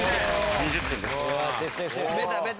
２０点です。